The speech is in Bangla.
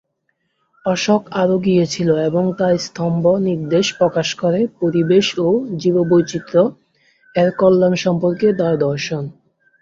অশোক আরও গিয়েছিল, এবং তার স্তম্ভ নির্দেশ প্রকাশ করে পরিবেশ ও জীববৈচিত্র্য-এর কল্যাণ সম্পর্কে তার দর্শন।